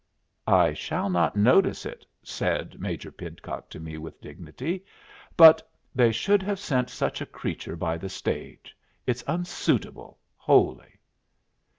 "I shall not notice it," said Major Pidcock to me, with dignity. "But they should have sent such a creature by the stage. It's unsuitable, wholly."